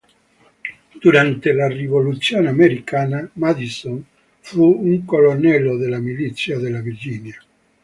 Durante la Rivoluzione Americana, Madison fu un colonnello della milizia della Virginia.